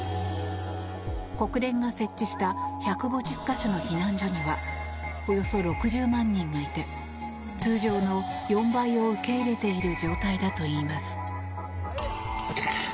国連が設置した１５０か所の避難所にはおよそ６０万人がいて通常の４倍を受け入れている状態だといいます。